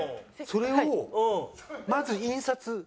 それをまず印刷。